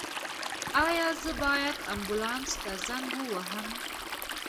ایا زه باید امبولانس ته زنګ ووهم؟